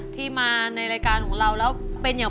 ถึงวันนี้